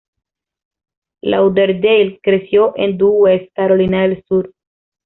Lauderdale creció en Due West, Carolina del Sur.